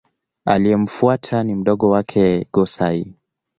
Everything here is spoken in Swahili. Aliyemfuata ni mdogo wake Go-Sai.